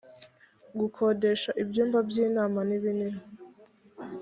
gukodesha ibyumba by inama n ibindi